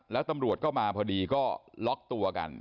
แล้วตำรวจก็มาพอดีก็ล็อกตัวกัน